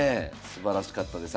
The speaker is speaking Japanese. すばらしかったです。